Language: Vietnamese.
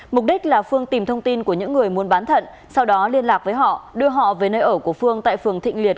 mục đích là phương tìm thông tin của những người muốn bán thận sau đó liên lạc với họ đưa họ về nơi ở của phương tại phường thịnh liệt